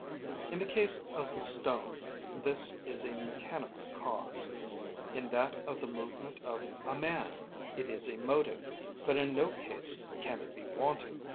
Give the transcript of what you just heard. In the case of the stone, this is a mechanical cause; in that of the movement of a man, it is a motive; but in no case can it be wanting.